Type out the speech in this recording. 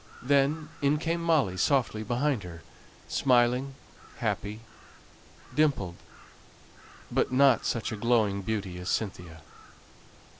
Then in came Molly softly behind her, smiling, happy, dimpled; but not such a glowing beauty as Cynthia.